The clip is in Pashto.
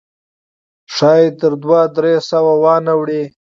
ښایي تر دوه درې سوه وانه وړي.